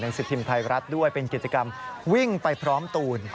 สิบพิมพ์ไทยรัฐด้วยเป็นกิจกรรมวิ่งไปพร้อมตูน